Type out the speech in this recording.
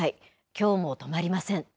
きょうも止まりません。